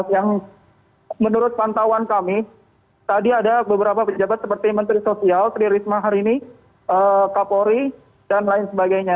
yang menurut pantauan kami tadi ada beberapa pejabat seperti menteri sosial tri risma hari ini kapolri dan lain sebagainya